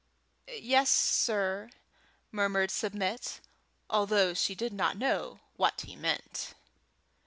"Yes, sir," murmured Submit, although she did not know what he meant.